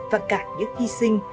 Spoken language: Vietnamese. và cả những hy sinh